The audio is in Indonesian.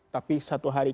tapi satu hari